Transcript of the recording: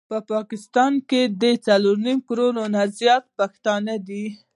په پاکستان کي د څلور نيم کروړ نه زيات پښتانه دي